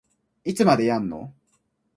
いつまでやんの